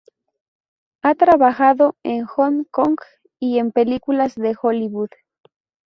Ha trabajado en Hong Kong y en películas de Hollywood.